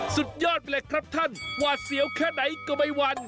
สุดยอดแหละครับท่านว่าเสียวแค่ไหนก็ไม่วัน